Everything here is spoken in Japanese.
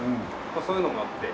まあそういうのもあって。